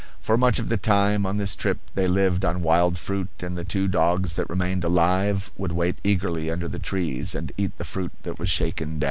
For much of the time on this trip they lived on wild fruit, and the two dogs that remained alive would wait eagerly under the trees and eat the fruit that was shaken down.